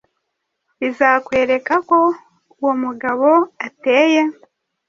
bizakwereka ko uwo mugabo ateye